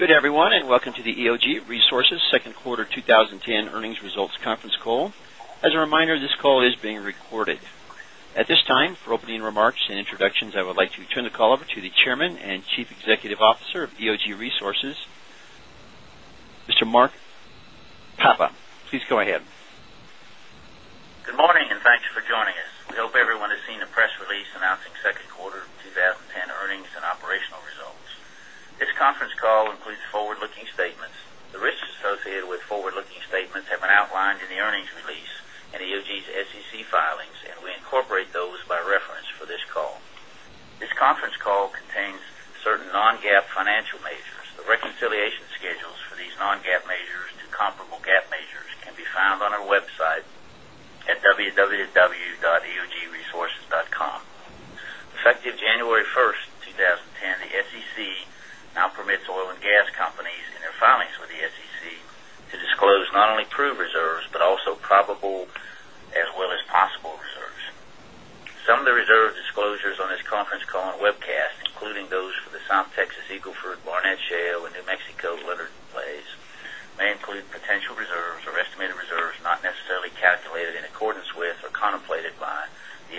Everyone, and welcome to the EOG Resources Second Quarter 20 10 Earnings Results Conference Call. As a reminder, this call is being recorded. For opening remarks and introductions, I would like to turn the call over to the Chairman and Chief Executive Officer of EOG Resources, Mr. Mark Papa. Please go ahead. Good morning and thank you for joining us. We hope everyone has seen the press release announcing Q2 of 2010 earnings and operational results. This conference call includes forward looking statements. The risks associated with forward looking statements have outlined in the earnings release and EOG's SEC filings and we incorporate those by reference for this call. This conference call contains certain non GAAP financial measures. The reconciliation schedules for these non GAAP measures to comparable GAAP measures can be found on our website at w www.eogresources.com. Effective January 1, 2010, the SEC now permits oil and gas companies in their filings with the SEC to disclose not only proved reserves, but also probable as well as possible reserves. Some of the reserve disclosures on this conference call and webcast including those for the South Texas Eagle Ford Barnett Shale and New Mexico lettered plays may include potential reserves or estimated reserves not necessarily calculated in accordance with or contemplated by the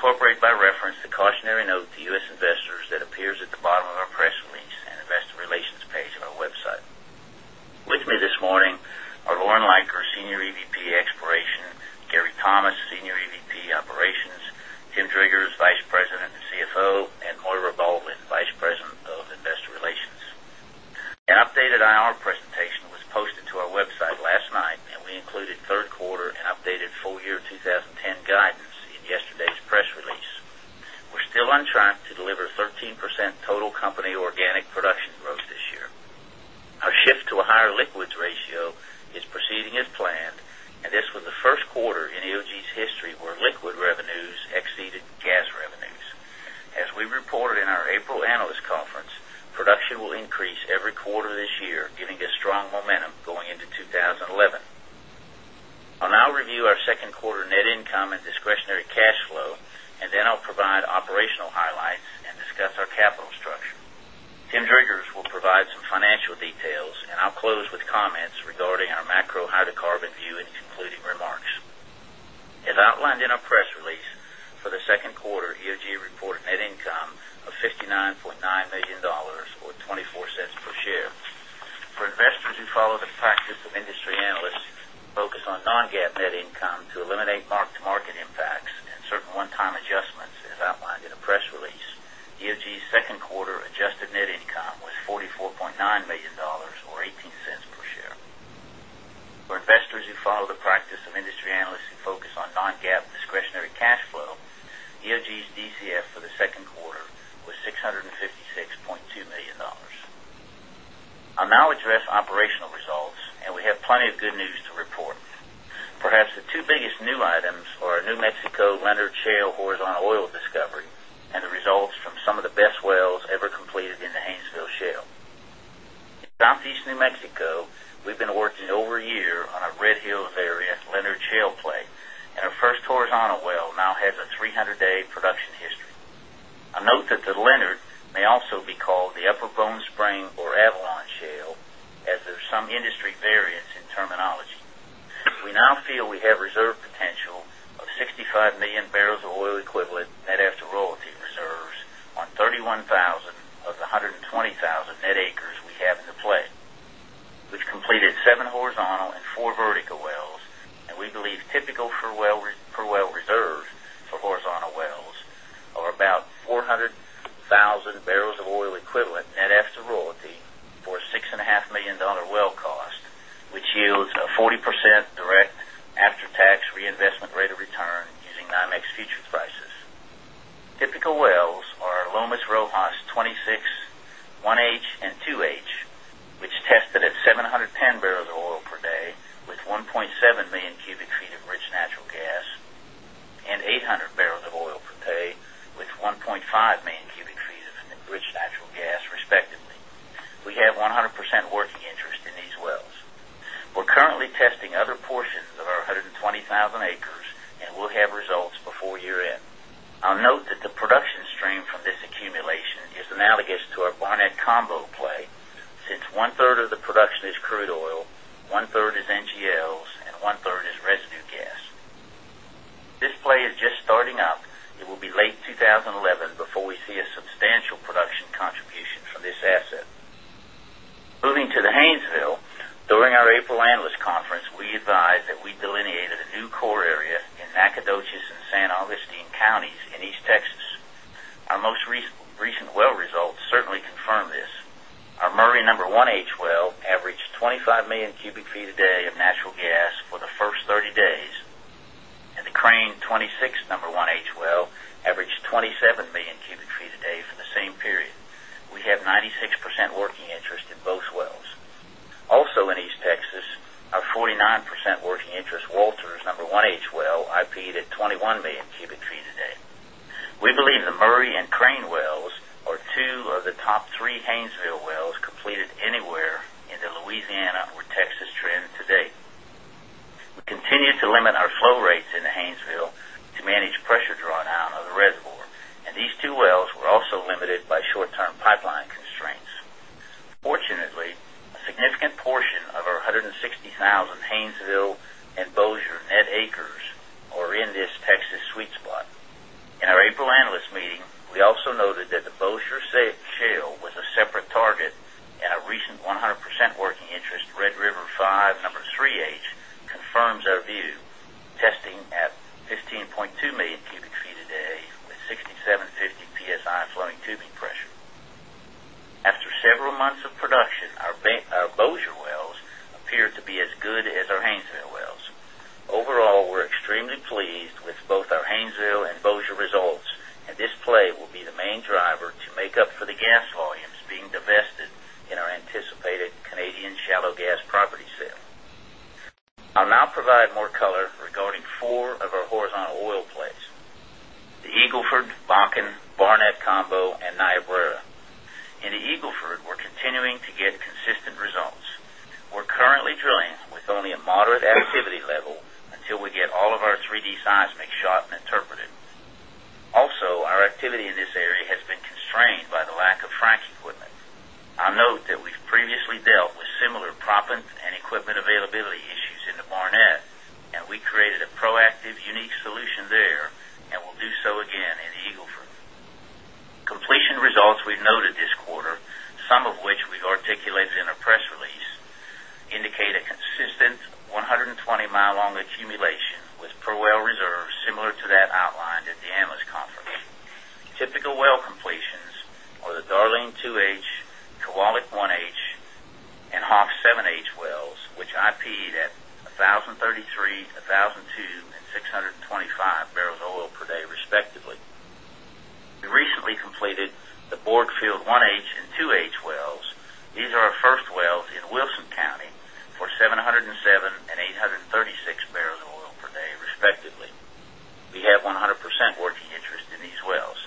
SEC's latest reserve reporting guidelines. We incorporate by reference the cautionary note to U. S. Investors that appears at the bottom of our press release and Investor Relations page of our website. With me this morning are Lauren Leiker, Senior EVP Exploration Gary Thomas, Senior EVP, Operations Jim Driggers, Vice President and CFO and Moira Baldwin, Vice President of Relations. An updated IR presentation was posted to our website last night and we included Q3 and updated full year 20 10 guidance in yesterday's press release. We're still on track to deliver 13% total company organic production growth this year. Our shift to a higher liquids ratio is proceeding as planned and this was the Q1 in EOG's history where liquid revenues exceeded gas revenues. As we reported in our April analyst conference, production will increase every quarter this year giving us strong momentum going into 2011. I'll now review our Q2 net income and discretionary cash flow and then I'll provide operational highlights and discuss our capital structure. Tim Driggers will provide some financial details and I'll close with comments regarding our macro hydrocarbon view in his concluding remarks. As outlined in our press release, for the Q2, EOG reported net income of $59,900,000 or $0.24 per share. For investors who follow the investors who follow the practice of industry analysts, focus on non GAAP net income to eliminate mark to market impacts and certain one time adjustments as outlined in the press release, EFG's 2nd quarter adjusted net income was $44,900,000 or 0.18 dollars per share. For investors who follow the practice of industry analysts who focus on non GAAP discretionary cash flow, EOG's DCF for the 2nd quarter was $656,200,000 I'll now address operational results and we have plenty of good news to report. Perhaps the 2 biggest new items are New Mexico Leonard Shale horizontal oil discovery and the results from some of the best wells ever completed in the Haynesville Shale. Completed in the Haynesville shale. In Southeast New Mexico, we've been working over a year on a Red Hills area at Leonard shale play and our first horizontal well has a 300 day production history. I note that the Leonard may also be called the Upper Bone Spring or Avalon Shale as there's some industry variance in terminology. We now feel we have reserve potential of 65,000,000 barrels of oil equivalent net after royalty reserves on 31,000 of the 120,000 net acres we have in the play. We've completed 7 horizontal and 4 vertical wells and we believe typical for about 400 1,000 barrels of oil equivalent net after royalty for $6,500,000 well cost, which yields a 40 percent direct after tax reinvestment rate of return using NYMEX future prices. Typical wells are Loma Lomas Rojas 26, 1H and 2H which tested at 7 10 barrels of oil per day with 1 point 7,000,000 cubic feet of rich natural gas and 800 barrels of oil per day with 1,500,000 cubic feet and enriched natural gas respectively. We have 100% working interest in these wells. We're currently testing other portions of our 120 1,000 acres and we'll have results before year end. I'll note that the production stream from this accumulation is analogous to Barnett combo play since 1 third of the production is crude oil, 1 third is NGLs and 1 third is residue gas. This play is just starting up. It will be late 2011 before we see a substantial production contribution from this asset. Moving to the Haynesville, during our April analyst conference, we advised that we delineated a new core area in Nacogdoches and San Alistin Counties in East Texas. Our most recent well results certainly confirm this. Our Murray 1H well averaged 25,000,000 cubic feet a day of natural gas for the 1st 30 days and the Crane 26 No. 1H well averaged 27,000,000 cubic feet a day from the same period. We have 96% working interest in both wells. Also in East Texas, our 49% working interest Walter's number 1H well IP ed at 21,000,000 cubic feet a day. We believe the Murray and Crane wells are 2 of the top 3 Haynesville wells completed anywhere in the Louisiana or Texas trend today. We continue to limit our flow rates in the Haynesville to manage pressure drawn out of the reservoir and these two wells were also limited by short term pipeline constraints. Fortunately, a significant portion of our 160,000 Haynesville and Bossier net acres are in this Texas sweet spot. In our April analyst meeting, we also noted that the Bossier shale was a separate target and our recent 100 percent working interest Red River 5 3H confirms our view testing at 15,200,000 cubic feet a day with 6750 PSI flowing tubing pressure. After several months of production, our Bossier wells appear to be as good as our Haynesville wells. Overall, we're extremely pleased with both our and activity level until we get all of our 3 d seismic shot and interpreted. Also, our activity in this area has been constrained by the lack of this quarter, some of which we've articulated in our press release, indicate a consistent 120 mile long accumulation with per well reserves similar to that outlined at the analyst conference. Typical well completions are the Darling 2H, Kowalik 1H and Hach 7H wells, which IP ed at 1033, 1032, and 625 barrels of oil per day respectively. We recently completed the Borgfield 1H and 2H wells. These are our first wells in Wilson County for 707 and 8 36 barrels of oil per day respectively. We have 100 percent working interest in these wells.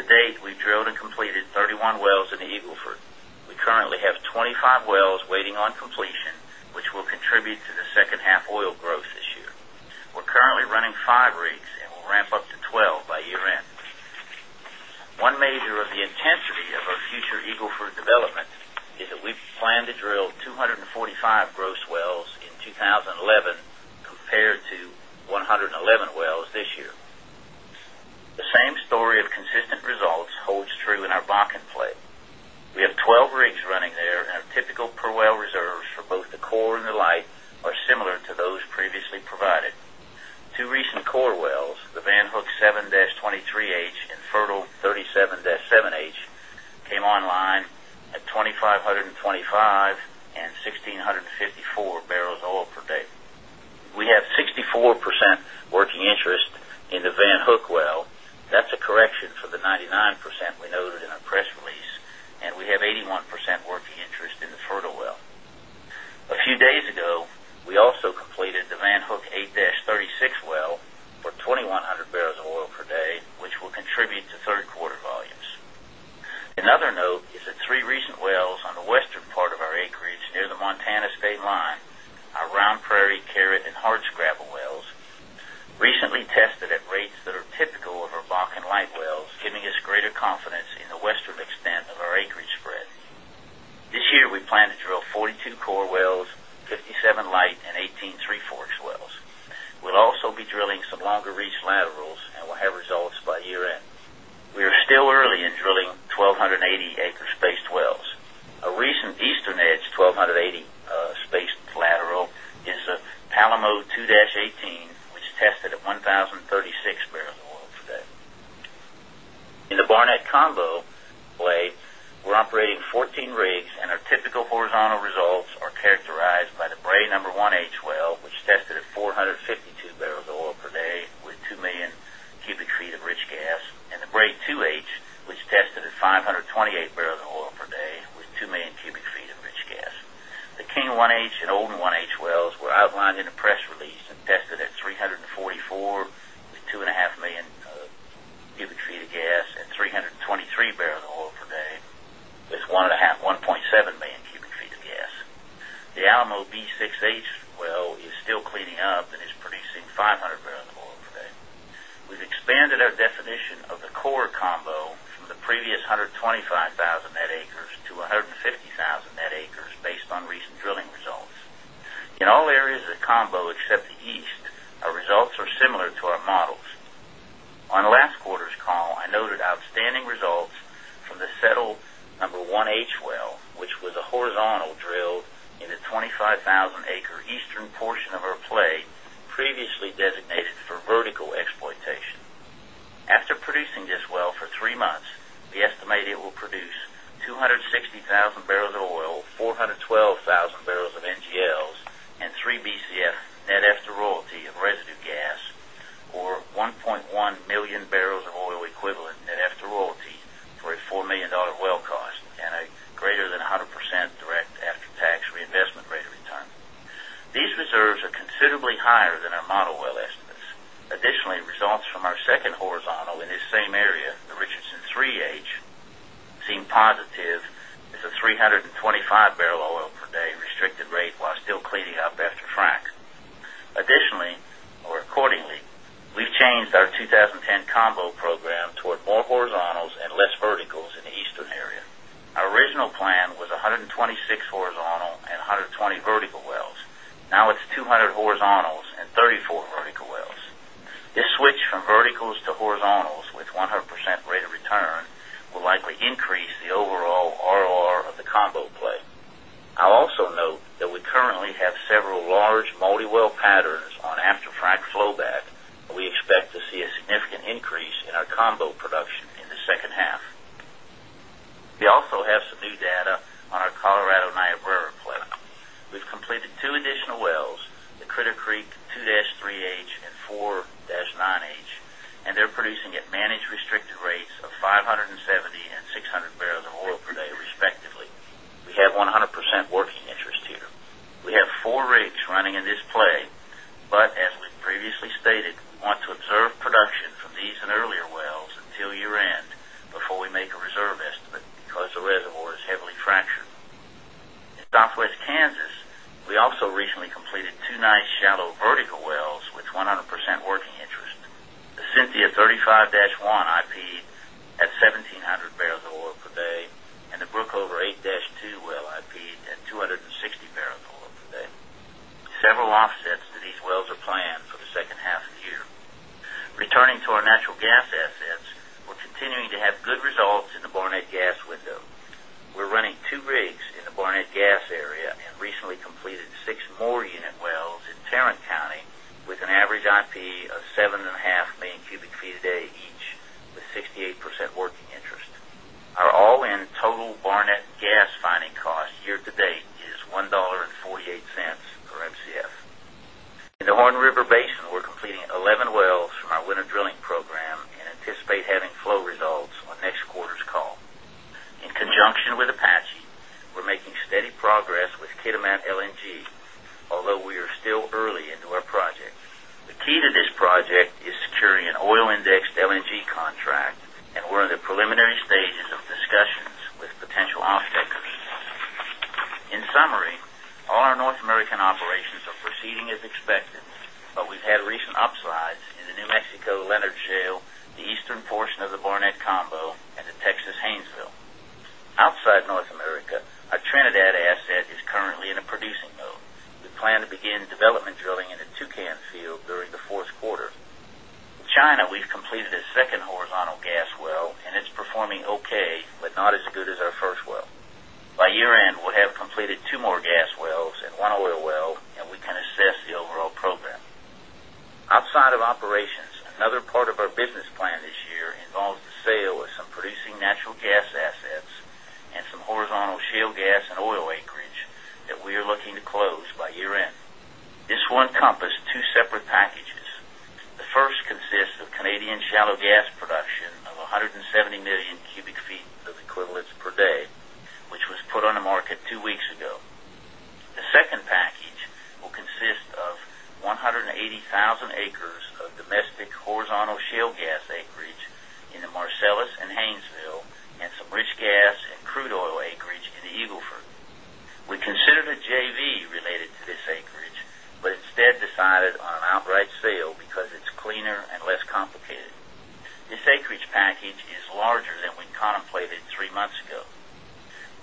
To date, we've drilled and completed 31 wells in the Eagle Ford. We currently have 25 wells waiting on completion, which will contribute to the second half oil growth this year. We're currently running 5 rigs and we'll ramp up to 12 by year end. One major of the intensity of our future Eagle Ford development is that we plan to drill 2 45 gross wells in 2011 compared to 111 wells this year. The same story of consistent results holds true in our Bakken play. We have 12 rigs running there and our typical per well reserves for both the core and the light 30 seven-sevenH came online at 2,525 and 16.54 barrels of oil per day. We have 64% working interest in the Van Hook well, that's a correction for the 99% we noted in our press release and we have 81% working interest in the fertile well. A few days ago, we also completed the Van Hook eight-thirty six well for 2,100 barrels oil per day, which will contribute to 3rd quarter volumes. Another note is that 3 recent wells on the western part of our acreage near the Montana State line, our Round Prairie, Carrot and Harts Scrabble wells recently tested at rates that are typical of our Bakken light wells giving us greater confidence in the western extent of our acreage spread. This year, we plan to drill 42 core wells, 57 light and 18 3 Forks wells. We'll also be drilling some longer reach laterals and we'll have results by year end. We are still early in drilling 12 80 Acres Space 12s. A recent Eastern Edge 12 80 Space Lateral is Palomoe 2-eighteen which tested at 10 36 barrels of oil per day. In the Barnett combo play, we're operating 14 rigs and our typical horizontal results are characterized by the Bray 1H well which tested at 4 52 barrels of oil per day with 2,000,000 cubic feet of rich gas and the Bray 2H was tested at 5 28 barrels of oil per day with 2,000,000 cubic feet of rich gas. The King 1H and Olden 1H wells were outlined in the press release and tested at 344,000,000 with 2,500,000 cubic feet of gas and 3.20 barrels of oil per day with 1,700,000 cubic feet of gas. The Alamo B6H well is still cleaning up and is producing 500 barrels of oil per day. We've expanded our definition of the core combo from the previous 125,000 acres to 150,000 net acres based on recent drilling results. In all areas of the combo except the East, our results are similar to our models. On last quarter's call, I noted outstanding results from the settled number 1H well, which was a horizontal drill in the 25,000 acre eastern portion of our play previously designated for vertical exploitation. After producing this well for 3 months, we estimate it will produce 260,000 barrels of oil, 412,000 barrels of NGLs and 3 Bcf net after royalty of residue gas or 1,100,000 barrels of oil equivalent net after royalty for a 4 $1,000,000 well cost and a greater than 100 percent direct after tax reinvestment rate of return. These reserves are considerably higher than our model well estimates. Additionally, results from our 2nd horizontal in this same area, the Richardson 3H, seem positive as a 3 25 barrel oil per day restricted rate while still cleaning up after frac. Additionally or accordingly, we've changed our 2010 combo program toward more horizontals and less verticals in the Eastern area. Our original plan was 126 horizontal and 120 vertical wells. Now it's 200 horizontals and 34 vertical wells. This switch from verticals to horizontals with 100% rate of return will likely increase the overall ROR of the combo play. I'll also note that currently have several large multi well patterns on after frac flowback and we expect to see a significant increase in our combo production in the second half. We also have some new data on our Colorado Niobrara plant. We've completed 2 additional wells, the Critter Creek 2-3H and 4-9H and they're producing at managed restricted rates of 570,600 barrels of oil per day respectively. We have 100% working interest here. We have 4 rigs running in this play, but as we previously stated, we want to observe production from these and earlier wells until year end before we make a reserve estimate because the reservoir is heavily fractured. In Southwest Kansas, we also recently completed 2 nice shallow vertical wells with 100% working interest. The Cinthia thirty five-one IP at 1700 barrels of oil per day and the Brookover eight-two well IP at 2 60 barrels oil per day. Several offsets to these wells are planned for the second half of the year. Returning to our natural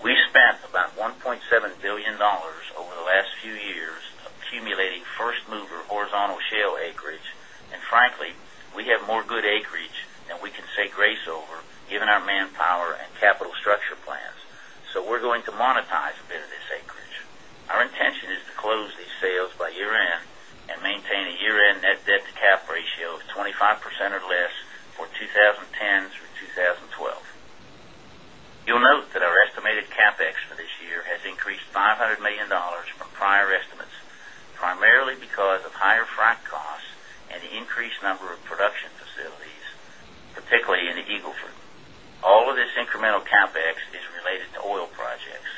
We spent about $1,700,000,000 over the last few years accumulating 1st mover horizontal shale acreage and frankly we have more good acreage than we can say grace over given our manpower and capital structure plans. So we're going to monetize a bit of this acreage. Our intention is to close these sales by year end and maintain a year end net debt to cap ratio of 25% or less for 20 10 through 20 12. You'll note that our estimated CapEx for this year has increased $500,000,000 from prior estimates, primarily because of higher frac costs and the increased number of production facilities, particularly in the Eagle Ford. All of this incremental CapEx is related to oil projects.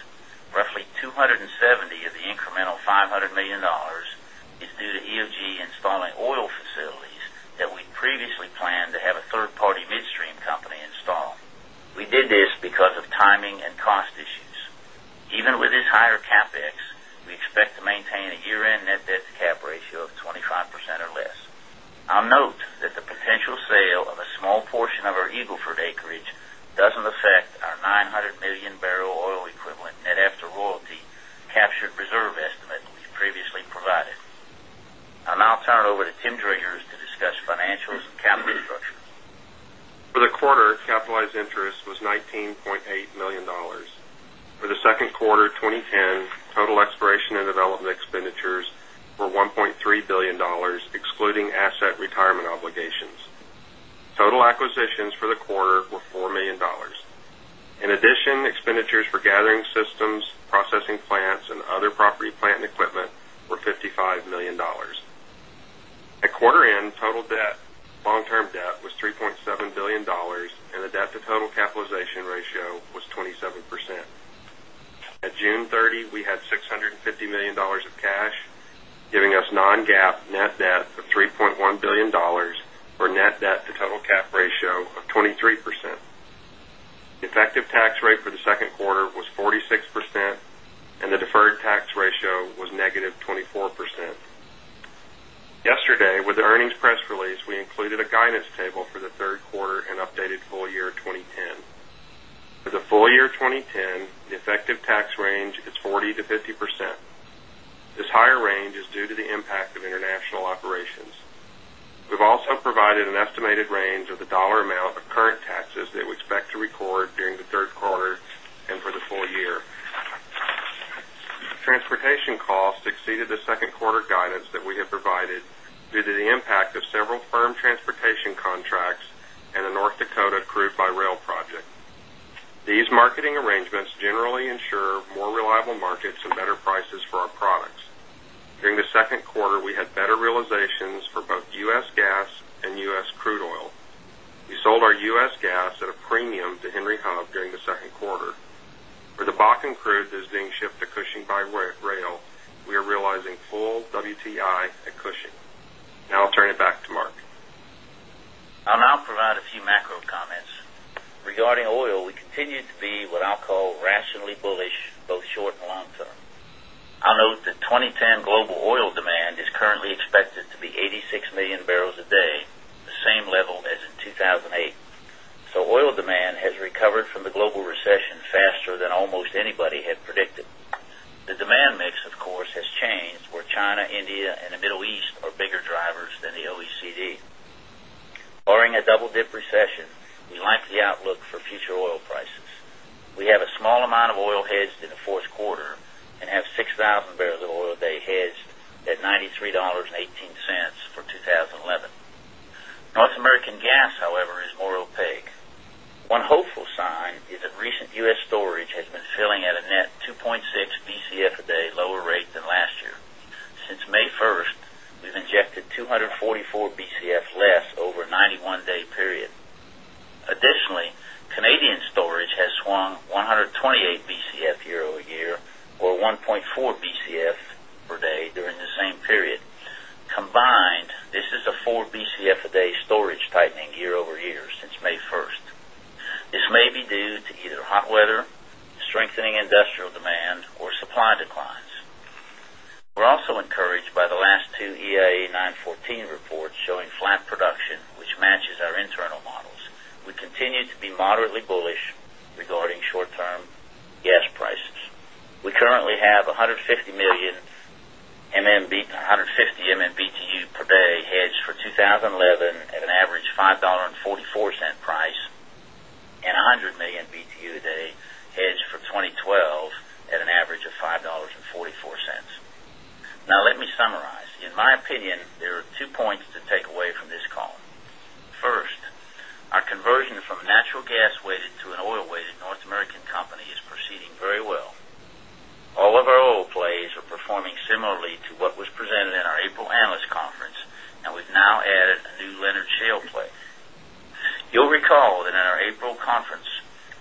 Roughly $270,000,000 of the incremental $500,000,000 is due to EOG installing oil facilities that previously planned to have a 3rd party midstream company installed. We did this because of timing and cost issues. Even with this higher CapEx, we expect to maintain a year end net debt to cap ratio of 25% or less. I'll note that the potential sale of a small portion of our Eagle Ford acreage doesn't affect our 900,000,000 barrel oil equivalent net after royalty captured reserve estimate we previously provided. I'll now turn it over to Tim Dragers to discuss financials and capital structure. For the quarter, capitalized interest was $19,800,000 For the Q2 of 2010, total exploration and development expenditures were 1,300,000,000 dollars excluding asset retirement obligations. Total acquisitions for the quarter were $4,000,000 In addition, expenditures for gathering systems, processing plants and other property plant and equipment were $55,000,000 At quarter end, total debt, long term debt was $3,700,000,000 and the debt to total capitalization ratio was 20 7%. At June 30, we had $650,000,000 of cash, giving us non GAAP net debt of 3,100,000,000 or net debt to total cap ratio of 23%. Effective tax rate for the 2nd quarter was 46% and the deferred tax ratio was negative 24%. The for the Q3 and updated full year 2010. For the full year 2010, the effective tax range is 40% to 50%. This higher range is due to the impact of international operations. We've also provided an estimated range of the dollar amount of current taxes that we expect to record during the Q3 and for the full year. Transportation costs exceeded the 2nd quarter guidance that we have provided due to the impact of several firm transportation contracts and the North Dakota crude by rail project. These marketing arrangements generally ensure more reliable markets and better prices for our products. During the Q2, we had better realizations for both U. S. Gas and U. S. Crude oil. We sold our U. S. Gas at a premium to Henry Hub during the Q2. For the Bakken crude that is being shipped to Cushing by rail, we are realizing full WTI at Cushing. Now I'll turn it back to Mark. I'll now provide a few macro comments. Regarding oil, we continue to be what I'll call rationally bullish both short and long term. I'll note that 2010 global oil demand is currently expected to be 86,000,000 barrels a day, the same level as in 2,008. So oil demand has recovered from the global recession faster than almost anybody had predicted. Demand mix of course has changed where China, India and the Middle East are bigger drivers than the OECD. Following a double dip recession, we like the outlook for future oil prices. We have a small amount of oil hedged in the 4th quarter and have 6,000 barrels of oil a day hedged at $93.18 for 20.11. North American gas however is more opaque. One hopeful sign is that recent U. S. Storage has been filling at a net 2.6 Bcf a day lower rate than last year. Since May 1, we've injected 2 44 Bcf less over a 91 day period. Additionally, Canadian storage has swung 120 8 Bcf year over year or 1.4 Bcf per day during the same period. Combined, this is a 4 Bcf a day storage tightening over year since May 1. This may be due to either hot weather, strengthening industrial demand or supply declines. We're also encouraged by the last 2 EIA-nine fourteen reports showing flat production, which matches our internal models. We continue to moderately bullish regarding short term gas prices. We currently have 150,000,000 MMBTU per day hedged for 2011 at an average $5.44 price and 100,000,000 Btu a day hedged for 20 12 at an average of $5.44 Now let me summarize. In my opinion, there are 2 points to take away from this call. First, our conversion from natural gas weighted to an oil weighted North American company is proceeding very well. All of our oil plays are performing similarly to what was presented in our April analyst conference and we've now added a new Leonard Shale play. You'll recall that in our April conference,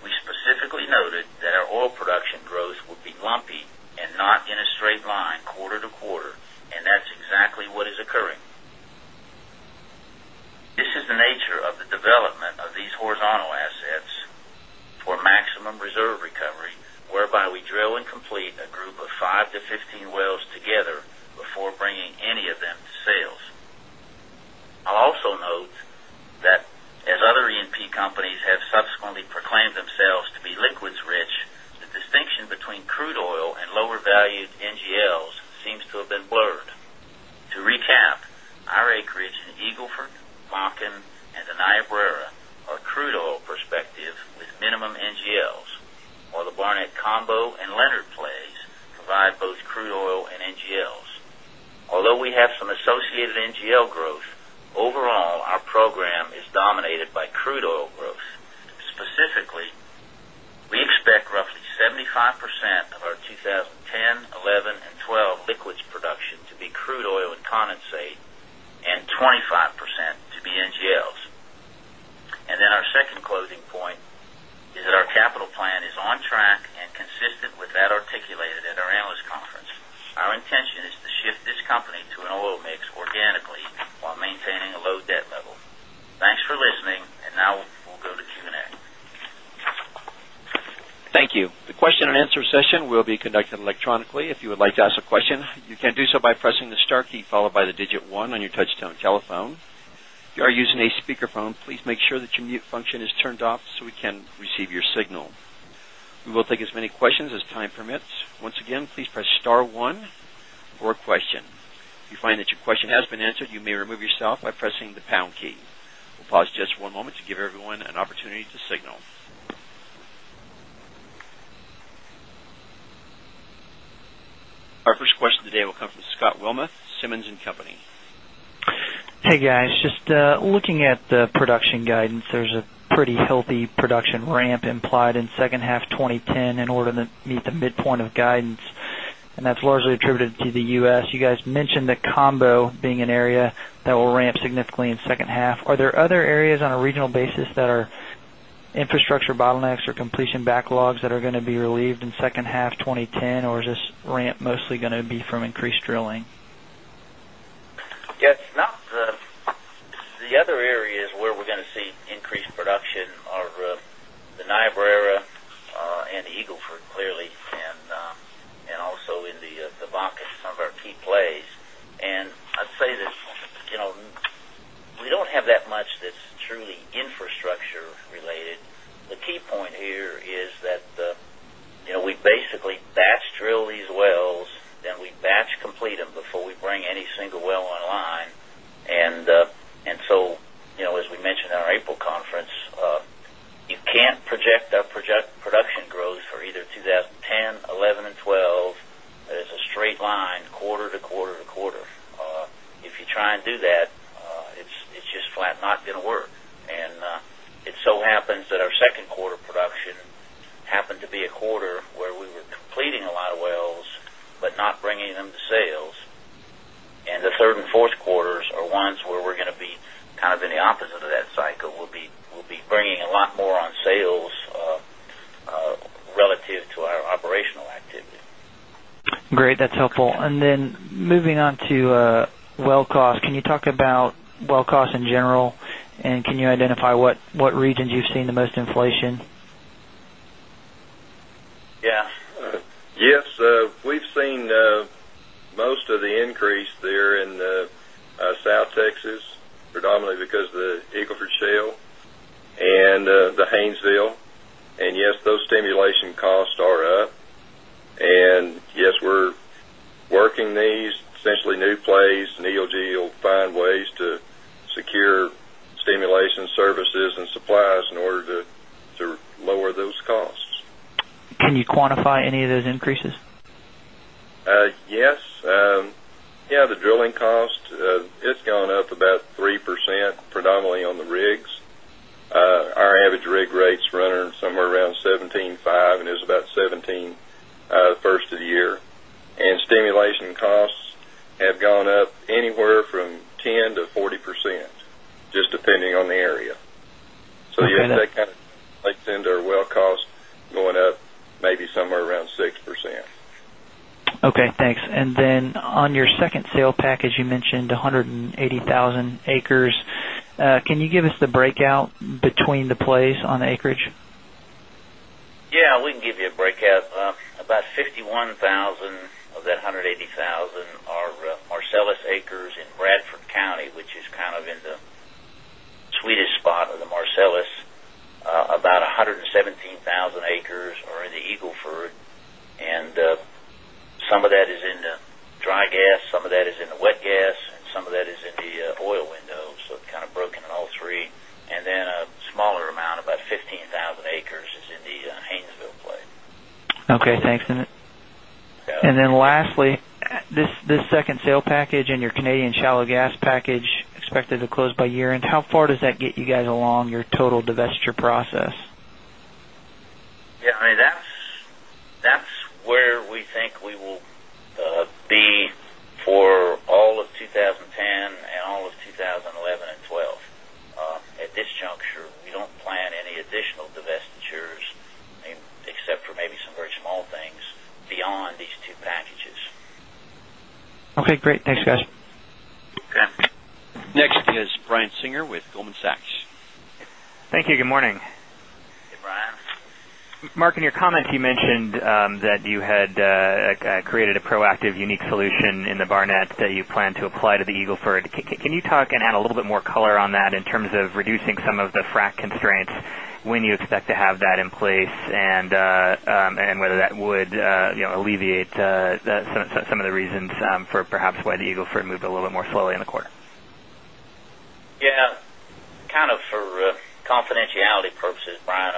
we specifically noted that our oil production growth would be lumpy and not in a straight line quarter to quarter and that's exactly what is occurring. This is the nature of the development of these horizontal assets for maximum reserve recovery, where by we drill and complete a group of 5 to 15 wells together before bringing any of them to sales. I'll also note that as other E and P companies have subsequently proclaimed themselves to be liquids rich, the distinction between crude oil and lower valued NGLs seems to have been blurred. To recap, our acreage in Eagle Ford, Moncton crude oil and condensate and 25% to be NGLs. And then our second closing point is that our capital plan is on track and consistent with that articulated at our analyst conference. Our intention is to shift this company to an oil mix organically, while maintaining a low debt level. Thanks for listening. And now we'll go to Q and A. Thank you. Production ramp implied in second half twenty ten in order to meet the midpoint of guidance and that's largely attributed to the U. S. You guys mentioned the combo being an area that will ramp significantly in second half. Are there other areas on a regional basis that are infrastructure bottlenecks or completion backlogs that are going to be relieved in second half twenty ten or is this ramp mostly going to be from increased drilling? Yes, It's not the other areas where we're going to see increased production are the Niobrara and Eagle Ford clearly and also in the Vaca some of our key plays. And I'd say that we don't have that much that's truly infrastructure related. The key point here is that we basically batch drill these wells, then we batch complete them before we bring any single well online. And so as we mentioned in our April conference, you can't project our production growth for either 2010, 2011, 2012 as a straight line quarter to quarter to quarter. If you try and do that, it's just flat not going to work. And it so happens that our Q2 production happened to be a quarter where we were completing a lot of a lot of wells, but not bringing them to sales. And the 3rd and 4th quarters are ones where we're going to be kind of in the opposite of that cycle. We'll be bringing a lot more on sales relative to our operational activity. And then moving on to well cost, can you talk about well cost in general? And can you identify what regions you've seen the most inflation? Yes. Yes. We've seen most of the increase there in South Texas predominantly because of the Eagle Ford Shale and the Haynesville. And yes, those stimulation costs are up. And yes, we're working these essentially new plays and EOG will find ways to secure stimulation services and supplies in order to lower those costs. Can you quantify any of those increases? Yes. The drilling cost, it's gone up about 3 percent predominantly on the rigs. Our average rig rates run somewhere around 17.5% and is about 17% the first of the year. And stimulation costs have gone up anywhere from 10% to 40% just depending on the area. So yes, that kind of makes tender well cost going up maybe somewhere around 6%. Okay, thanks. And then on your second sale package, you mentioned 180,000 acres. Can you give us the breakout the breakout between the plays on acreage? Yes, we can give you a breakout about 51,000 of that 180,000 are Marcellus Acres in Bradford County, which is kind of in the Swedish spot of the Marcellus about 117,000 acres are in the Eagle Ford and some of that is in the dry gas, some of that is in the wet gas and some of that is in the oil window. So kind of broken in all three and then a smaller amount about 15,000 acres is in the Haynesville play. Okay. Thanks. And then lastly, this second sale package and your Canadian shallow gas package expect to close by year end, how far does that get you guys along your total divestiture process? Yes, I mean that's where we think we will be for all of 2010 and all of 20112012. At this juncture, we don't plan any additional divestitures except for maybe some very small things beyond these two packages. Okay, great. Thanks guys. Next is Brian Singer with Goldman Sachs. Thank you. Good morning. Hey Brian. Mark, in your comments you mentioned that you had created a proactive unique solution in the Barnett that you plan to apply to the Eagle Ford. Can you talk and add a little bit more color on that in terms of reducing some of the frac constraints, when you expect to have that in place and whether that would alleviate some of the reasons for perhaps why the Eagle Ford moved a little more slowly in the quarter? Yes. Kind of for confidentiality purposes, Brian,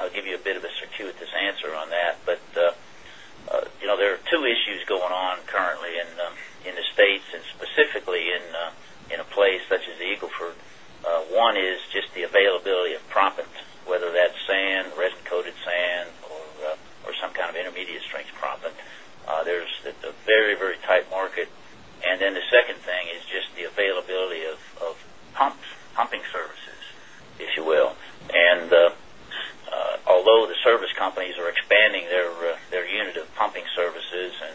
I'll give you a bit of a circuitous answer on that. But there are 2 issues going on currently in the States and specifically in a place such as the Eagle Ford. One is just the availability of proppants whether that sand, resin coated sand or some kind of intermediate strength proppant. There's a very, very tight market. And then the second thing is just the availability of pumps, pumping services, if you will. And although the service companies are expanding their unit of pumping services and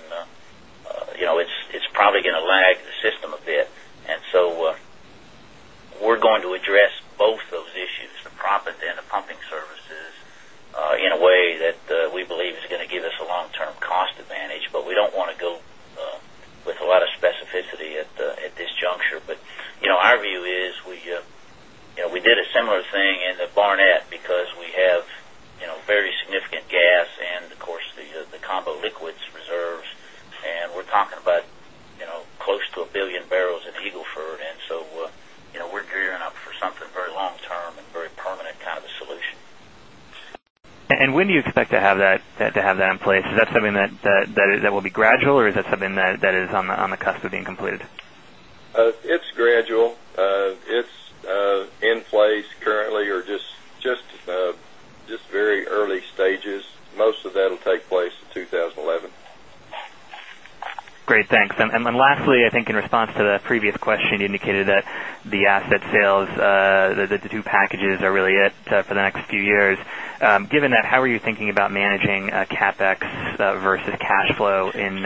Given that, how are you thinking about managing CapEx versus cash flow in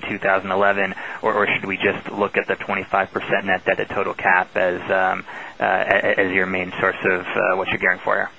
2011 or should we just look at the 25% net debt to total cap as your main source of what you're gearing for here?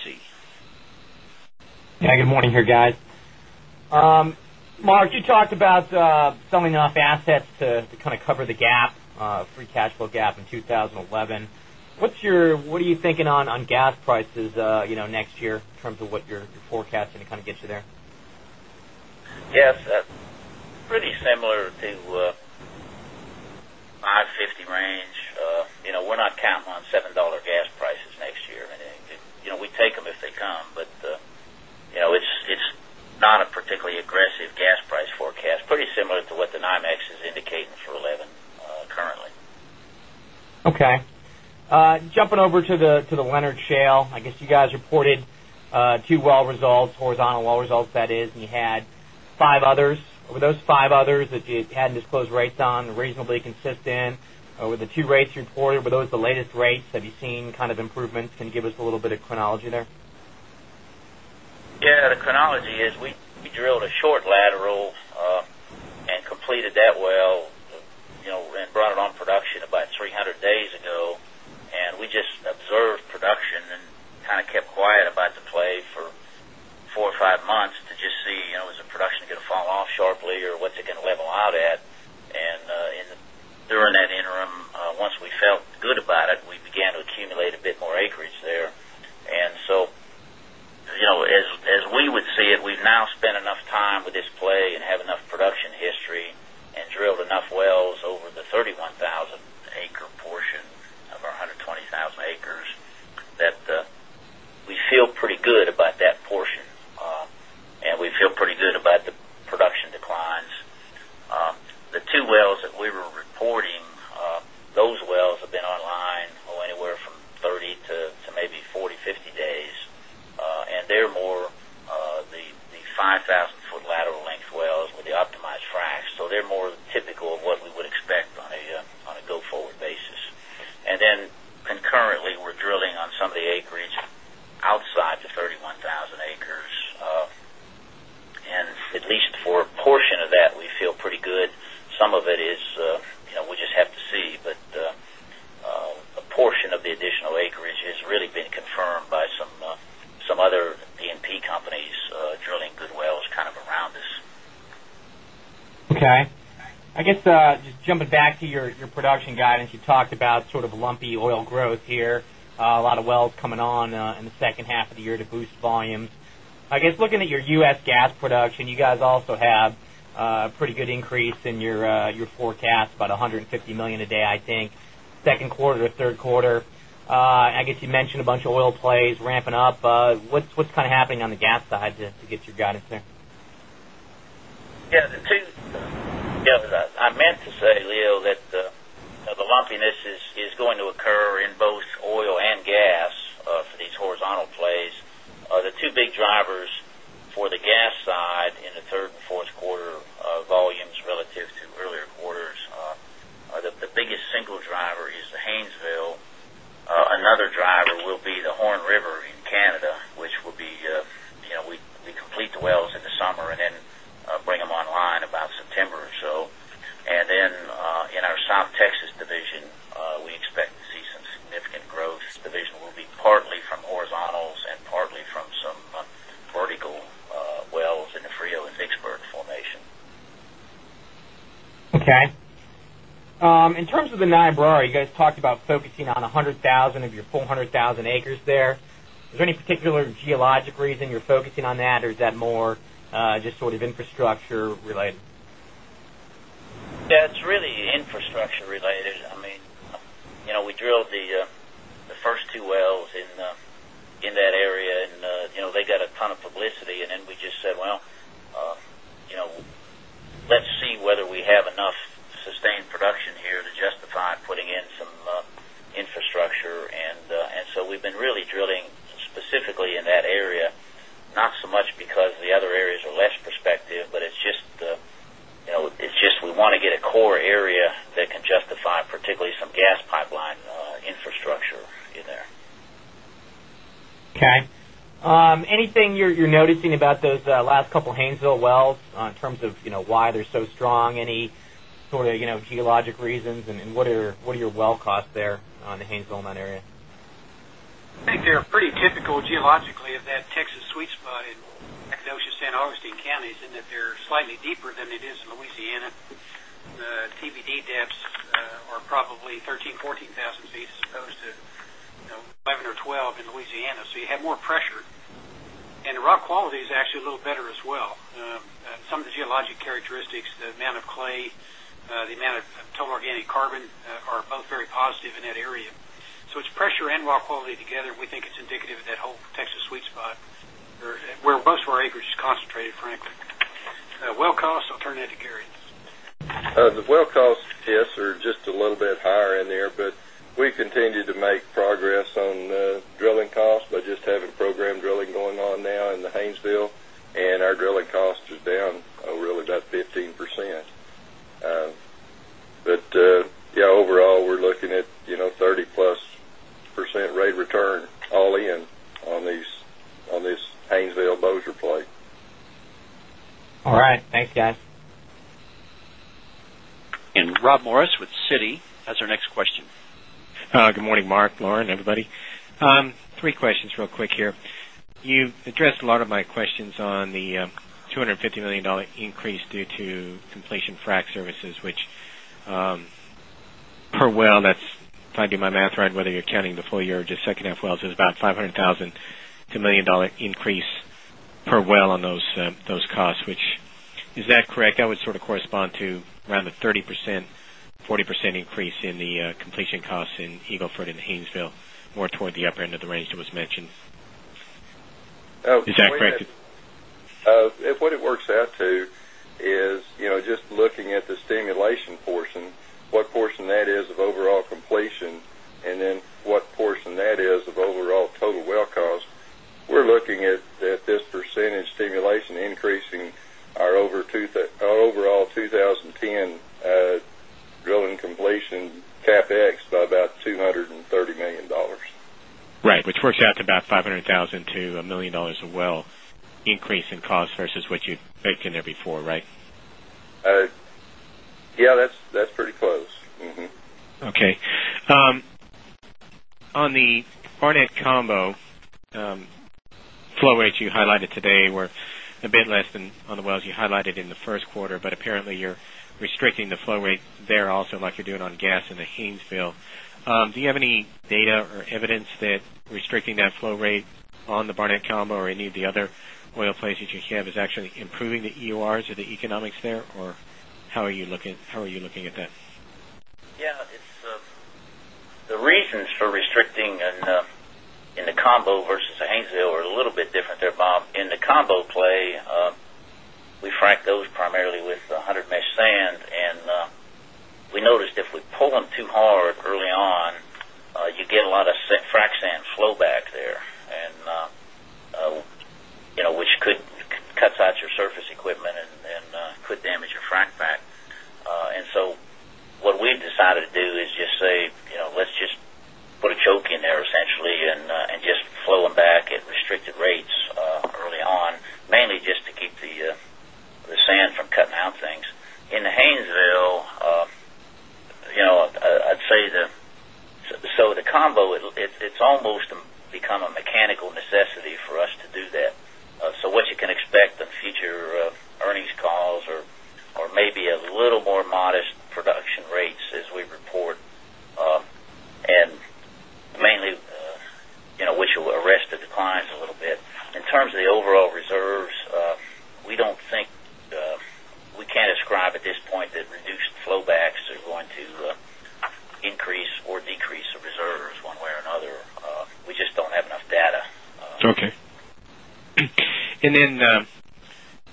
No, as we would see it now, it's pretty consistent with what we said at our April analyst conference. We are likely to outspend our cash flow into our operating cash flow in 20 102011 and then go positive on cash flow versus CapEx in 2012. And so what we need to do is get enough proceeds from these sales to cover us for the GAAP in both 20102011. That's what we believe. Great. Thank you. And next is Leo Mariani with RBC. Yes. Good morning here guys. Mark, you talked about selling off assets to kind of cover 2011. What's your what are you thinking on gas prices next year in terms of what you're forecast kind of gets you there? Yes, pretty similar to my $50 range. We're not counting on $7 gas prices next year. We take them if they come, but it's not a particularly aggressive gas price forecast, pretty similar to what the NYMEX is indicating for 11 currently. Okay. Jumping over to the Leonard Shale, I guess you guys reported 2 well results, horizontal well results that is and you had 5 others. Were those 5 others that you had disclosed rates on reasonably consistent with the two rates you reported? Were those the latest rates? Have you seen kind of improvements? Can you give us a little bit of chronology there? Yes. The chronology is we drilled a short laterals and completed that well and brought it on production about 300 days ago. And we just observed production and kind of kept quiet about the play for 4 or 5 months to just see is the production going fall off sharply or what's it going to level out at. And during that interim, once we felt good about it, we began to accumulate a bit more acreage there. And so as we would see it, we've now spent enough time with this play and have enough production history and drilled enough wells over the 31,000 acre portion of our 120,000 acres that we feel pretty good about that portion and we feel pretty good about the production declines. The 2 wells that we were reporting, those wells have been online meant to say, Leo, that the lumpiness is going to occur in both oil and gas for these horizontal plays. The 2 big drivers for the gas side in the 3rd and fourth quarter volumes relative to earlier quarters, the biggest single driver is the Haynesville. Another driver will be the Horn River in Canada, which will be we complete the wells in the summer and then bring them online about September or so. And then in our South Texas division, we expect to see some significant growth. This division will be partly from horizontals and partly from some vertical wells in the Frio and Vicksburg 100,000 acres there. Is there any particular geologic reason you're focusing on that? Or is that more just sort of infrastructure related? Yes, it's really infrastructure related. I mean, we drilled the first two wells in that area and they got a ton of publicity and then we just said, well, let's see whether we have enough sustained production here to justify putting in some infrastructure. And so we've been really drilling specifically in that area, not so much because the other areas are less perspective, but it's just we want to get a core area that can justify particularly some gas Haynesville wells in terms of why they're so strong? Any sort of Haynesville wells in terms of why they're so strong? Any sort of geologic reasons? And what are your well costs there on the Haynesville in that area? I think they're pretty typical geologically of that Texas sweet spot in Akadoshia, San Agustin counties and that they're slightly deeper than it is in Louisiana. The TBD depths are probably 13,000, 14000 seats as opposed to 11 or 12 in Louisiana. So, you have more pressure and rock quality is actually a little better as well. Some of the geologic characteristics, the amount of clay, the amount of total organic carbon are both very positive in that area. So it's pressure and raw quality together, we think it's indicative of that whole Texas sweet spot where most of our acreage is concentrated frankly. Well costs, I'll turn it to Gary. The well costs, are just a little bit higher in there, but we continue to make progress on drilling costs by just having program drilling going on now in the Haynesville our drilling cost is down really about 15%. But, yes, overall we're looking at 30 percent plus rate return all in on this HaynesvilleBossier play. All right. Thanks guys. And Rob Morris with Citi has our next question. Good morning, Mark, Lauren, everybody. Three questions real quick here. You've addressed a lot of my questions on the $250,000,000 increase due to completion frac services, which per well, that's if I do my math right, whether you're counting the full year or just second half wells, it's about 500,000 dollars to $1,000,000 increase per well on those costs, which is that correct? That would sort of correspond to around the 30%, 40% increase in the completion costs in Eagle Ford and Haynesville, more toward the upper end of the range that was mentioned. Is that correct? What it works out to is just looking at the stimulation portion, what portion that is of overall completion and then what portion that is of overall total well cost. We're looking at this percentage stimulation increasing our over all 20 10 drilling completion CapEx by about $230,000,000 Right, which out to about $500,000 to $1,000,000 a well increase in cost versus what you baked in there before, right? Yes, that's pretty close. Okay. On the Barnett combo flow rates you highlighted today were a bit less than on the wells you highlighted in the Q1, but apparently you're restricting the flow rate there also like you're doing on gas in the Haynesville. Do you have any data or evidence that restricting that flow rate on the Barnett combo or any of the other oil plays that you have is actually improving the EURs or the economics there or how are you looking at that? Yes. The reasons for restricting in the combo versus Haynesville are a little bit different there, Bob. In the combo play, we frac those primarily with 100 mesh sand and we noticed if we pull them too hard early on, you get a lot of frac sand flow back there and which could cut out your surface equipment and could damage your frac back. And so what we've decided to do is just say, let's just put a choke in there essentially and just flow them back at restricted rates early on, mainly just to keep the sand from cutting out things. In the Haynes Vale, I'd say the so the combo, it's almost become a mechanical necessity for us to do that. So what you can expect the future earnings calls or maybe a little more modest production rates as we report and mainly which will arrest the declines a little bit. In terms of the overall reserves, we don't think we can't describe at this point that reduced flowbacks are going to increase or decrease the reserves one way or another. We just don't have enough data. Okay. And then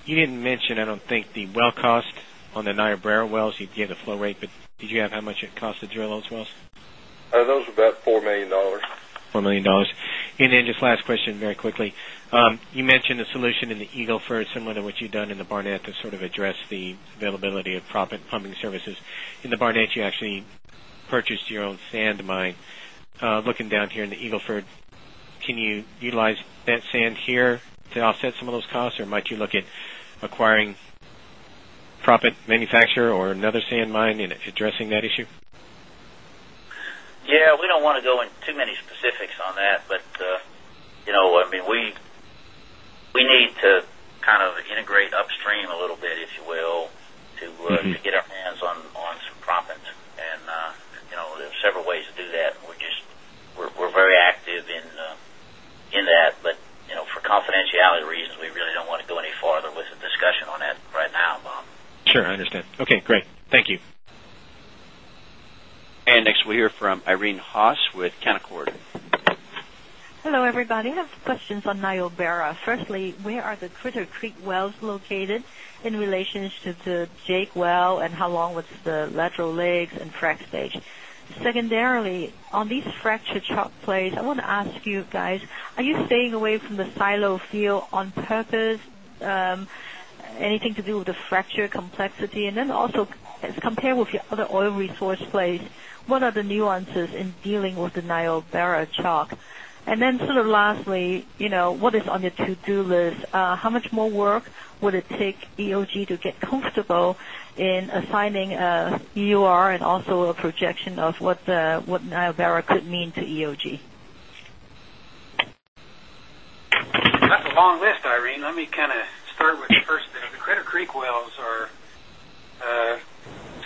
you didn't mention I don't think the well cost on the Niobrara wells, you gave the flow rate, but did you have how much it cost to drill those wells? That was about $4,000,000 $4,000,000 And just last question very quickly. You mentioned a solution in the Eagle Ford similar to what you've done in the Barnett to sort of address the availability of proppant plumbing services. In the Barnett, you actually purchased your own sand mine. Looking down here in the Eagle Ford, can you utilize that sand here to offset some of those costs or might you look at acquiring proppant manufacturer or another sand mine in addressing that issue? Yes, we don't want to go in too many specifics on that. But, I mean we need to kind of integrate upstream a little bit if you will to get our hands on some proppants. And there are several ways to do that. We're just we're very active in that. But confidentiality reasons, we really don't want to go any farther with the discussion on that right now, Bob. Sure. I understand. Okay, great. Thank you. And next we'll hear from Irene Haas with Canaccord. Hello, everybody. I have questions on Niobrara. Firstly, where are the Critter Creek wells located in relation to the JAKE well and how long was the lateral legs and frac stage? Secondarily, on these Anything to do with the fracture complexity? And then also as compared with your other oil resource plays, what are the nuances in dealing with the Niobrara chalk? And then sort of lastly, what is on the to do list? How much more work would it take EOG to get comfortable in assigning EUR and also a projection of what Niobrara could mean to EOG? That's a long list Irene. Let me kind of start with the first. The Credit Creek wells are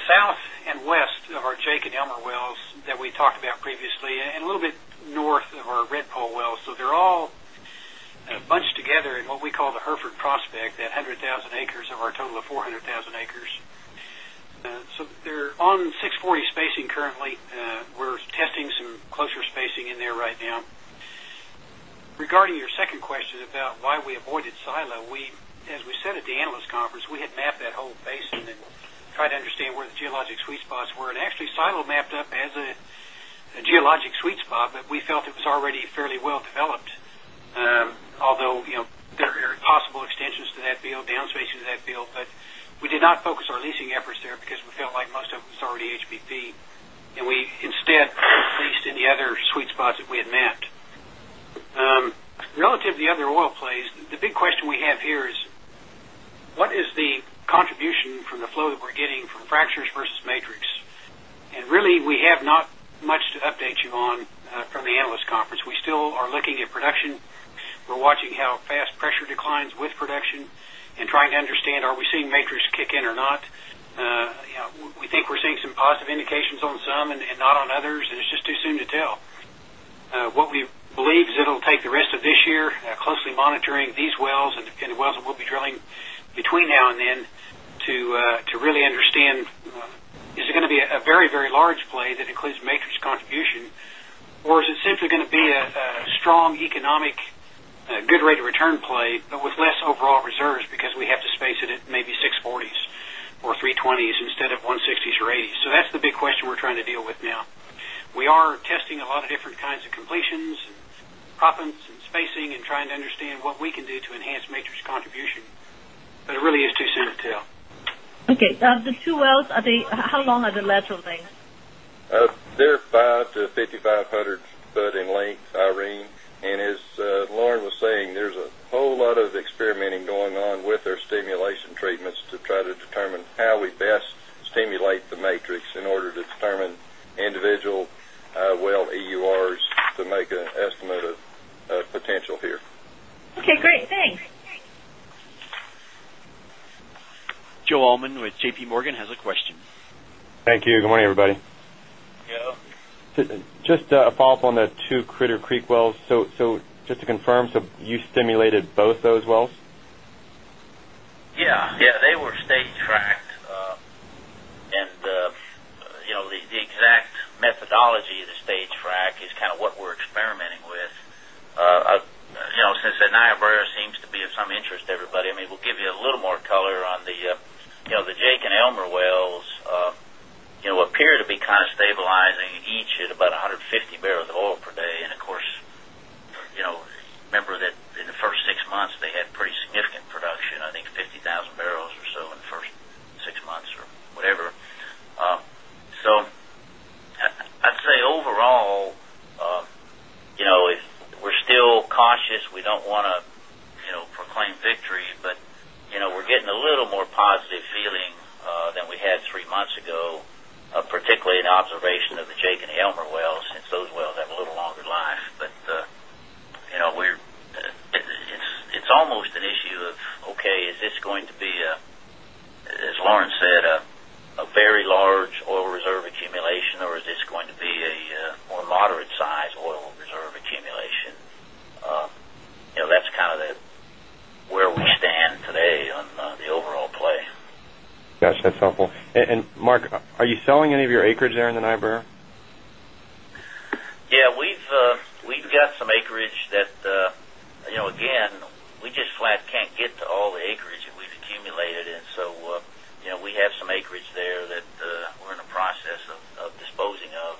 south and west of our Jake and Elmer wells that we talked about previously and a little bit north of our Redpoll wells. So they're all bunched together in what we call the Hereford prospect that 100,000 acres of our total of 400,000 acres. So they're on 6 40 spacing currently. We're testing some closer spacing in there right now. Regarding your second question about why we avoided silo, we as we said at the analyst conference, we had mapped that whole basin and tried to understand where the geologic sweet spots were. And actually silo mapped up as a geologic sweet spot, but we felt it was already fairly well developed. Although there are possible extensions to that build, downspaces to that build, but we did not focus our leasing efforts there because we felt like most of it was already HBP and we instead leased any other sweet spots that we had met. Relative to the other oil the big question we have here is, what is the contribution from the flow that we're getting from fractures versus matrix? And really we have not much to update you on from the analyst conference. We still are looking at production. We're watching how fast pressure declines with production and try to understand are we seeing matrix kick in or not. We think we're seeing some positive indications on some and not on others and it's just too soon to tell. What we believe is it will take the rest of this year closely monitoring these wells and wells that we'll be drilling between and then to really understand is it going to be a very, very large play that includes Matrix contribution or is simply going to be a strong economic good rate of return play, but with less overall reserves because we have to space it at maybe 6.40s or 3.20s 80s. So that's the big question we're trying to deal with now. We are testing a lot of different kinds of completions, proppants and spacing and trying to understand what we can do to enhance Matrix contribution. But it really is too soon to tell. Okay. The 2 wells, are they how long are the lateral lengths? They're 5,500 to 5,500 foot in length, Irene. And as Lauren was saying, there's a whole lot of experimenting going on with our stimulation treatments to try to determine how we best stimulate the matrix in order to determine individual well EURs to make an estimate of potential here. Okay, great. Thanks. Joe Allman with JPMorgan has a question. Thank you. Good morning, everybody. Hi, Joe. Just a follow-up on the 2 Critter Creek wells. So just to confirm, so you stimulated both those wells? Yes, yes, they were stage fracked. And the exact methodology of the stage frac is kind of what we're experimenting with. Since Niobrara seems to be of some interest to everybody, I mean, we'll give you a little more color on the Jake and Elmer wells appear to be kind of stabilizing each at about pretty significant production, I think, 50,000 barrels or so in the first pretty significant production, I think 50,000 barrels or so in the 1st 6 months or whatever. So, I would say overall, if we are still cautious, we don't want to proclaim victory, but we are getting a little more positive feeling than we had 3 months ago, particularly in observation of the Jake and Elmer wells since those wells have a little longer life. But we're it's almost an issue of, okay, is this going to be, as Lauren said a very large oil reserve accumulation or is this going to be a more moderate size oil reserve accumulation? That's kind of where we stand today on the overall play. Got you. That's helpful. And Mark, are you selling any of your acreage there in the Niobrara? Yes. We've got some acreage that again, we just flat can't get to all the acreage that we've accumulated. And so we have some acreage there that we're in the process of disposing of.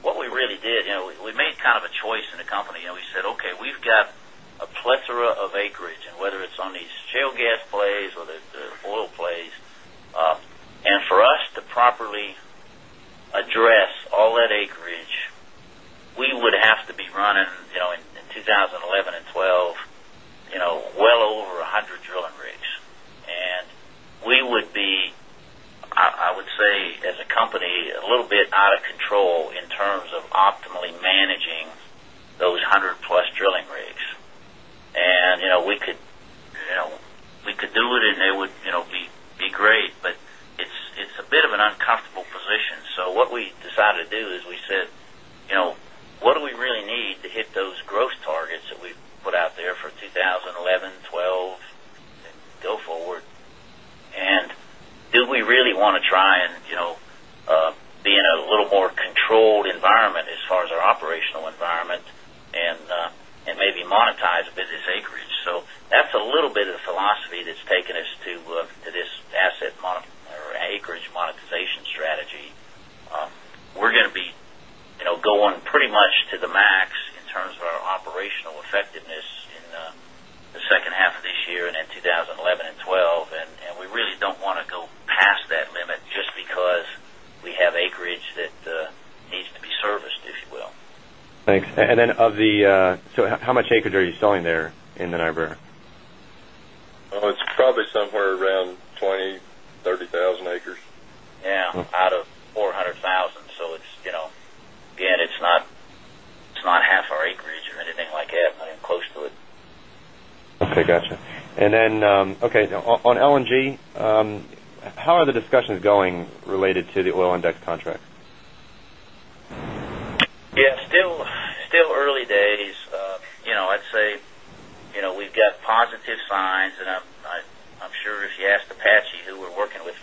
What we really did, we made kind of a choice in the company and we said, okay, we've got a plethora of acreage and whether it's on these shale gas plays or the oil plays. And for us to properly address all that acreage, we would have to be running in 2011 and 2012 well over 100 drilling rigs. And we would be, I would say, as a company, a little bit out of control in terms of optimally managing those 100 drilling rigs. And we could dilute it and they would be great, but it's a bit of an 11, 2012 and go forward. And 11, 2012 and go forward? And do we really want to try and be in a little more controlled environment as far as our operational environment and maybe monetize the business acreage. So that's a little bit of the philosophy that's taken us to this asset or acreage monetization strategy. We're going to be going 2011 and 2012. And we really don't want to go past that limit just because we have acreage that needs to be serviced, if you will. Thanks. And then of the so how much acreage are you selling there in Niobrara? It's probably somewhere around 200,000, 3000 acres. Yes, out of 4 100,000. So it's again, it's not half our acreage or anything like that, close to it. Okay, got On LNG, how are the discussions going related to the oil index contract? Yes, still early days. I'd say we've got positive signs and I'm sure if you asked Apache who we're working with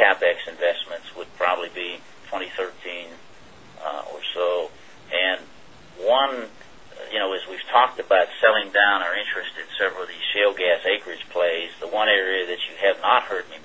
Yes. I mean, the online date as we would see it now for this plant would be probably 2015. So, the big several of these several of these shale gas acreage plays, the one area that you have not heard me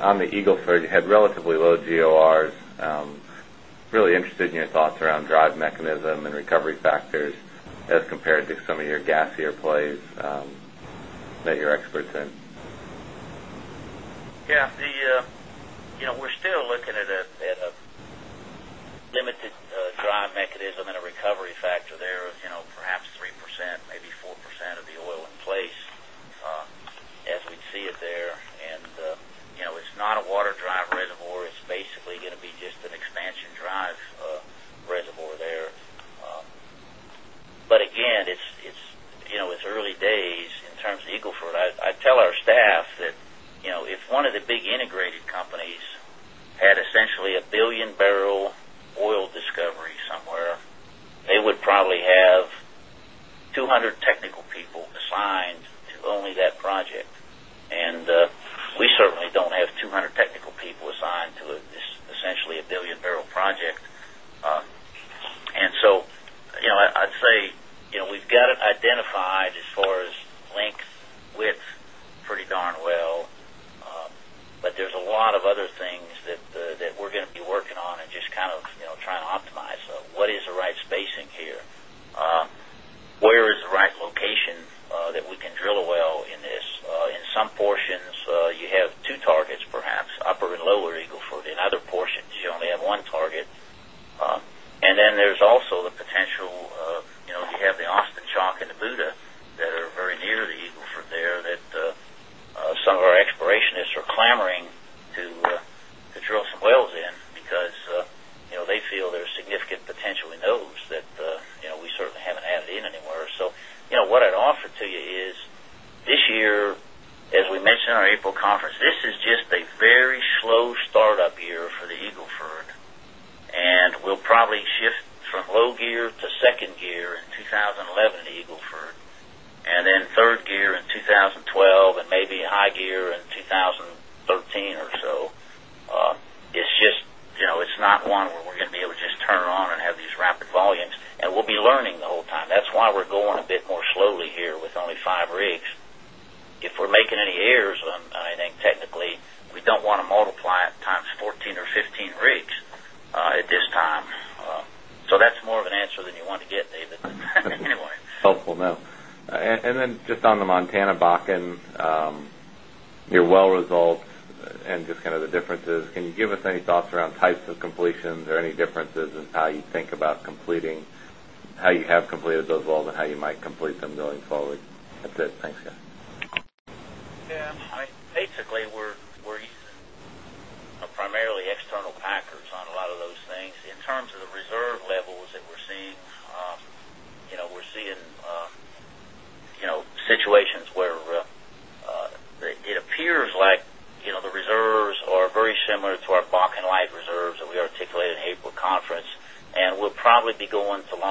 and comparative rates of return. And we can do that because we are so long on acreage relative to what we can logically develop during a reasonable period of time. So that's why we're looking at going that route. Okay. And then a little more technically speaking the Eagle Ford, you had relatively low GORs, really interested in your thoughts around drive mechanism and recovery factors as compared to some of your gassier plays that you're experts in? Yes.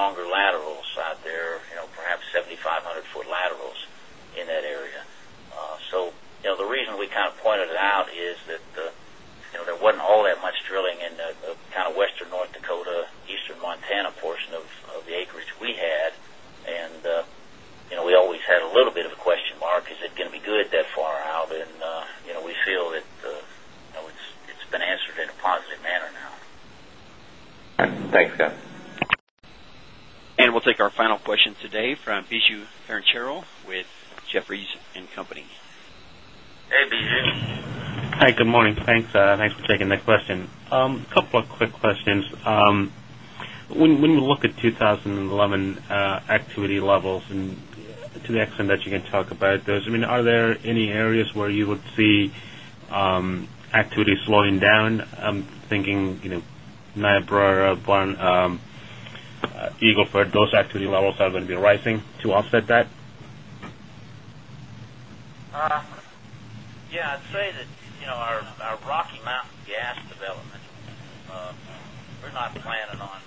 That's it. Thanks guys. Yes. Basically, we're using primarily external packers on a lot of those things. In terms of the reserve levels that we're seeing, we're seeing situations where it appears like the reserves are very similar to our Bakken light reserves that we articulated in April conference and we'll probably be going to longer laterals out there, perhaps 7,500 foot laterals in that area. So the reason we kind of pointed it out is that there wasn't all that much drilling in the kind of Western North Dakota, Eastern Montana portion of the acreage we had. And we always had a little bit of a question mark, is it going to be good that far out? And we feel that it's been answered in a positive manner now. Guys. And we'll take our final question today from Biju Perincheril with Jefferies and Company. Hey, Biju. Hi, good morning. Thanks for taking the question. A couple of quick questions. When we look at 20 11 activity levels and to the extent that you can talk about those, I mean, are there any areas where you would see activity slowing down? I'm thinking Niobrara, Buen, Eagle Ford, those activity levels are going to be rising to offset that? Yes. I'd say that our Rocky Mount gas development, we're not planning on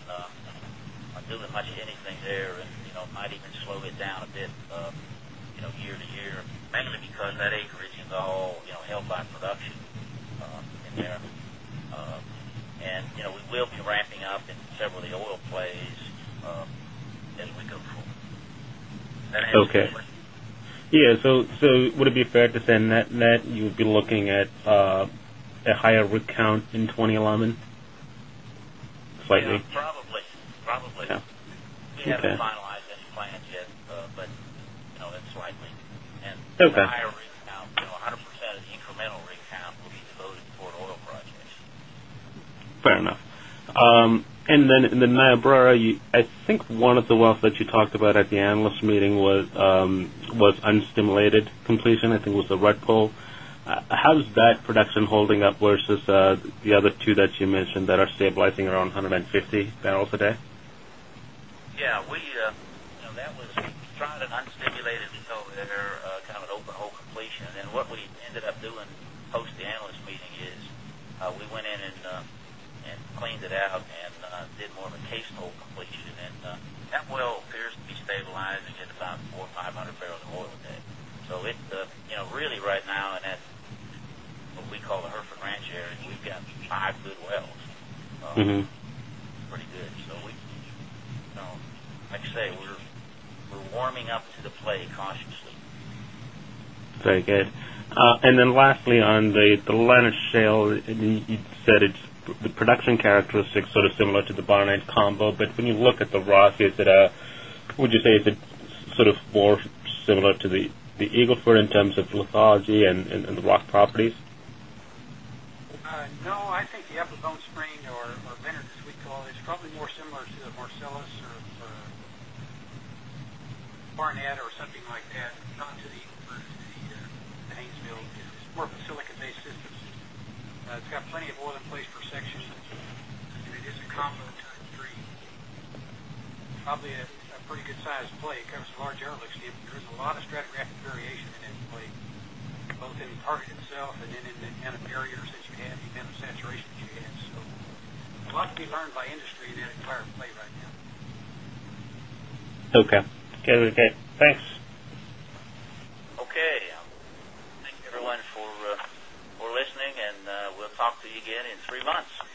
doing much of anything there and might even slow it down a bit year to year mainly because that acreage is all held by Okay. Yes. So would it be fair to say net net you would be looking at a higher rig count in 20 11 slightly? Probably. Okay. We haven't finalized any plans yet, but slightly. And higher rig count, 100% of the incremental rig count will be floated toward oil projects. Fair enough. And then in the Niobrara, I think one of the wells that you talked about at the analyst meeting was unstimulated completion, I think was the Red Pul. How is that production holding up versus the other 2 that you mentioned that are stabilizing around 150 barrels a day? Yes. We that was tried unstimulated and so they're kind of an open hole completion. And then what we ended up doing post the analyst meeting is, we went in and cleaned it out and did more of a case oil completion. And that well appears to be stabilizing at about 400 barrels of oil a day. So it's really right now and that's what we call the Hereford Ranch area, we've got 5 good wells. Pretty good. So we like I say, we're warming up to the play cautiously. Very good. And then lastly on the Lena shale, you said it's the production characteristics sort of similar to the Barnett combo. But when you look at the Rockies that would you say is it sort of more similar to the Eagle Ford in terms of lithology and rock properties? No, I think the Upper Bone Spring or Vineyard as we call it is probably more similar to the Marcellus or Barnett or something like that, not to the Haynesville. It's more of a silicon based systems. It's got plenty of oil in place per section. It is a common type of tree. Probably a pretty good sized flake. It has a large air lift, it gives a lot of stratigraphic variation in it, both in part itself and in the kind of barriers that you and saturation. So, lots to be learned by industry that is part of play right now. Okay. Thanks. Okay. Thank you everyone for listening and we'll talk to you again in 3 months.